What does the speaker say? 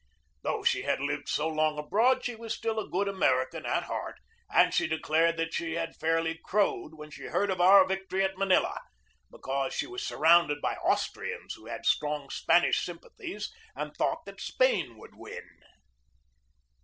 Though she had lived so long abroad she was still a good American at heart, and she declared that she had fairly crowed when she heard of our victory at Manila, because she was surrounded by Austrians who had strong Spanish sympathies and thought that Spain would win.